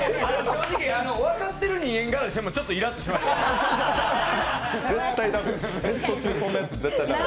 正直、分かってる人間側からもちょっといらっとしました。